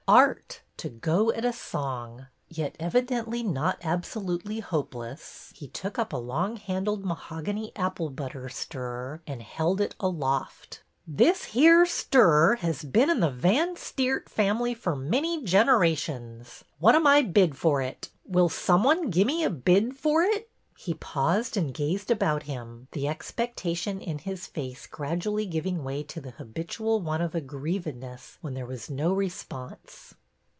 Art, to go at a song. Yet, evidently not absolutely hopeless, he took up a long handled mahogany apple butter stirrer and held it aloft. This here stirrer has been in the Van Steert family for many generations. What am I bid for it? Will some one gimme a bid for it? He paused and gazed about him, the expec tation in his face gradually giving way to the habitual one of aggrievedness when there was no response.